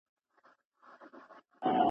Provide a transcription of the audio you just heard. چي په ښار کي پاته پیر او تعویذګروي ,